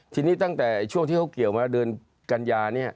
ที่นี้ตั้งแต่ตอนที่เขาเกี่ยวการให้เดือนกัญญา